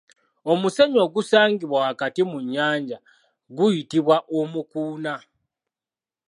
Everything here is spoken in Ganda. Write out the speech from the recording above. Omusenyu ogusangibwa wakati mu nnyanja guyitibwa Omukuna.